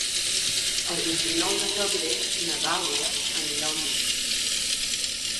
El vint-i-nou de febrer na Dàlia anirà al metge.